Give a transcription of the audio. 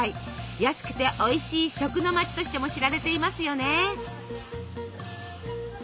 安くておいしい食の街としても知られていますよね。